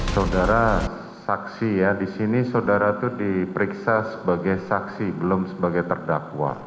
saudara saksi ya di sini saudara itu diperiksa sebagai saksi belum sebagai terdakwa